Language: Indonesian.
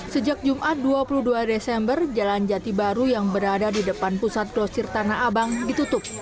sejak jumat dua puluh dua desember jalan jati baru yang berada di depan pusat glosir tanah abang ditutup